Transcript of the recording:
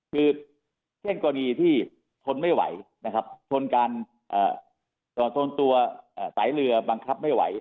คือเช่นกรณีที่ทนไม่ไหวนะครับชนการชนตัวสายเรือบังคับไม่ไหว